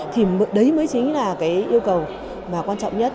thì đấy mới chính là cái yêu cầu mà quan trọng nhất